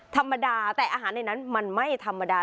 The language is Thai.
ธรรมดาแต่อาหารในนั้นมันไม่ธรรมดา